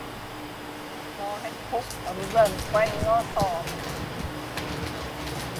Cho hạnh phúc ấm dần quanh ngõ xóm